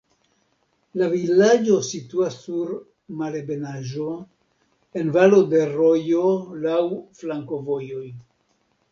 La vilaĝo situas sur malebenaĵo, en valo de rojo, laŭ flankovojoj.